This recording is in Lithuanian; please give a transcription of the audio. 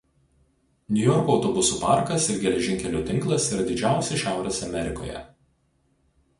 Niujorko autobusų parkas ir geležinkelių tinklas yra didžiausi Šiaurės Amerikoje.